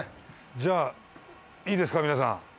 じゃあいいですか皆さん。